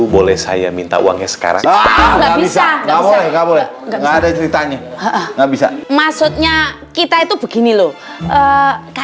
pasti dia kepanasan banget di luar